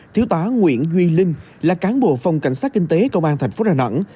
thiếu tá nguyễn duy linh là cán bộ phòng cảnh sát kinh tế công an thành phố đà nẵng